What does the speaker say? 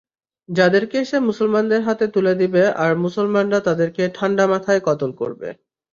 যাদেরকে সে মুসলমানদের হাতে তুলে দিবে আর মুসলমানরা তাদেরকে ঠাণ্ডা মাথায় কতল করবে।